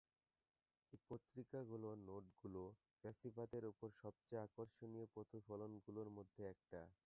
এই পত্রিকাগুলোর নোটগুলো ফ্যাসিবাদের ওপর সবচেয়ে আকর্ষণীয় প্রতিফলনগুলোর মধ্যে একটা।